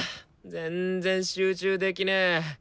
全然集中できねえ！